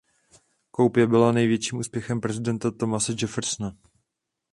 Koupě byla největším úspěchem prezidenta Thomase Jeffersona.